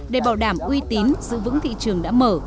để bảo đảm uy tín giữ vững thị trường đã mở